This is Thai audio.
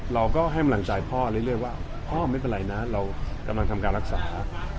เราก็ให้กำลังใจพ่อเรื่อยว่าพ่อไม่เป็นไรนะเรากำลังทำการรักษา